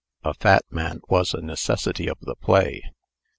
A fat man was a necessity of the play.